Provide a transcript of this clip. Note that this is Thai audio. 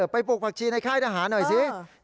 ปลูกผักชีในค่ายทหารหน่อยสิ